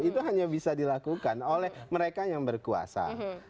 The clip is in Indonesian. itu hanya bisa dilakukan oleh mereka yang berkuasa